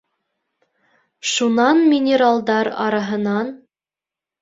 Шунан минералдар араһынан: